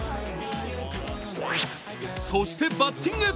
そして、バッティング。